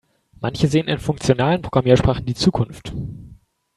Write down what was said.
Manche sehen in funktionalen Programmiersprachen die Zukunft.